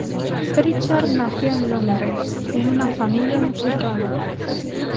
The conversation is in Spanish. Pritchard nació en Londres, en una familia musical.